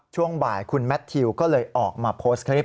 ช่วงบ่ายคุณแมททิวก็เลยออกมาโพสต์คลิป